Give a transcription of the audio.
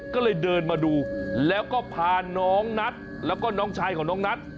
ก็เลยเดินมาดูแล้วก็พาน้องนัทแล้วก็น้องชายของน้องนัท